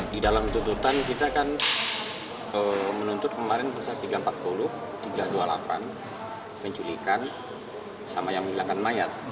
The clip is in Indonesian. di dalam tuntutan kita kan menuntut kemarin pasal tiga ratus empat puluh tiga ratus dua puluh delapan penculikan sama yang menghilangkan mayat